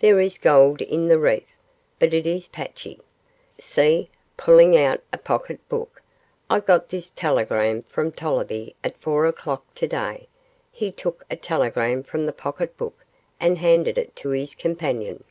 There is gold in the reef, but it is patchy. See,' pulling out a pocket book, 'I got this telegram from Tollerby at four o'clock to day;' he took a telegram from the pocket book and handed it to his companion.